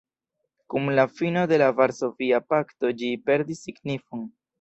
Kun la fino de la Varsovia pakto ĝi perdis signifon.